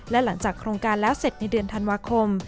และหลังจากโครงการแล้วเสร็จในเดือนธันวาคม